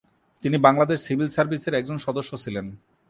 তিনি বাংলাদেশ সিভিল সার্ভিসের একজন সদস্য ছিলেন।